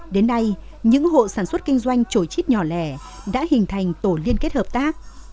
đến nay những hộ sản xuất kinh doanh trổi chít nhỏ lẻ đã hình thành tổ liên kết hợp tác